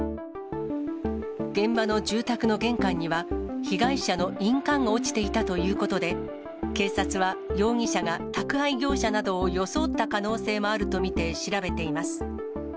現場の住宅の玄関には、被害者の印鑑が落ちていたということで、警察は容疑者が宅配業者などを装った可能性もあると見て調べています。